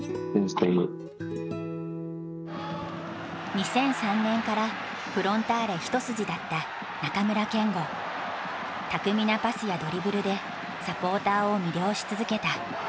２００３年からフロンターレ一筋だった巧みなパスやドリブルでサポーターを魅了し続けた。